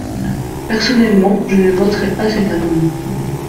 Personnellement, je ne voterai pas cet amendements.